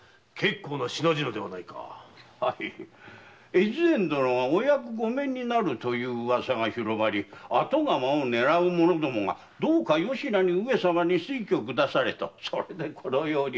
越前殿がお役御免になるとの噂が広まり後釜を狙う者どもがどうかよしなに上様に推挙くだされとそれでこのように。